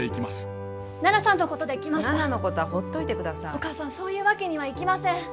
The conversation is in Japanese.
お母さんそういうわけにはいきません。